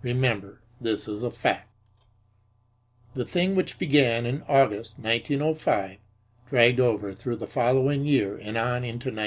Remember that this is a fact. The thing, which began in August, 1905, dragged over through the following year and on into 1907.